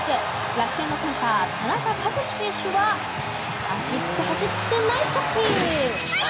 楽天のセンター、田中和基選手は走って走ってナイスキャッチ！